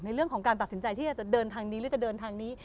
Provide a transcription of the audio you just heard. เรื่องของการตัดสินใจที่จะเดินทางนี้หรือจะเดินทางนี้